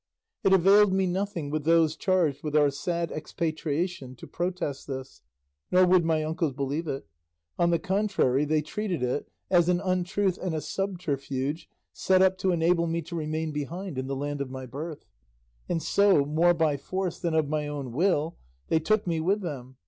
It availed me nothing with those charged with our sad expatriation to protest this, nor would my uncles believe it; on the contrary, they treated it as an untruth and a subterfuge set up to enable me to remain behind in the land of my birth; and so, more by force than of my own will, they took me with them.